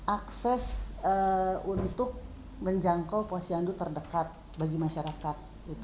akses untuk menjangkau posyandu terdekat bagi masyarakat